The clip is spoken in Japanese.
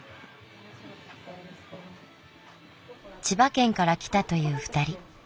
千葉県から来たという２人。